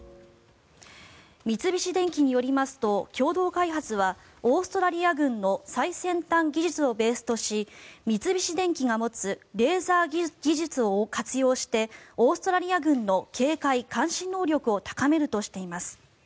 三菱電機によりますと共同開発はオーストラリア軍の最先端技術をベースとし三菱電機が持つレーザー技術を活用してオーストラリア軍の警戒監視能力を高めるとしています。